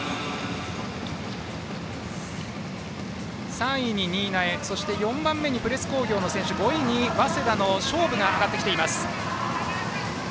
３位に新家４番目にプレス工業の選手５位に早稲田の菖蒲が上がってきています。